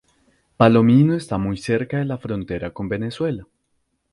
Palomino está muy cerca de la frontera con Venezuela.